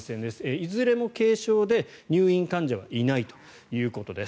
いずれも軽症で入院患者はいないということです。